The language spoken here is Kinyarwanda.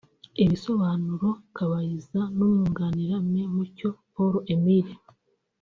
Ibisobanuro Kabayiza n’umwunganira Me Mucyo Paul Emile